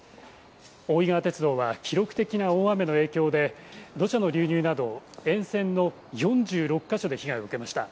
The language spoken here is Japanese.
大井川鉄道は記録的な大雨の影響で、土砂の流入など、沿線の４６か所で被害を受けました。